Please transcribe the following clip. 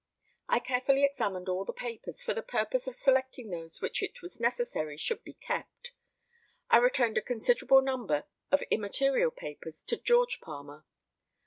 I carefully examined all the papers, for the purpose of selecting those which it was necessary should be kept. I returned a considerable number of immaterial papers to George Palmer.